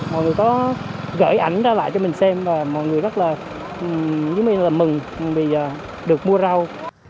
mọi người có gửi ảnh ra lại cho mình xem và mọi người rất là mừng vì được mua rau